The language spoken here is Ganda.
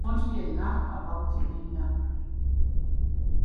Omuntu yenna ava mu kibiina .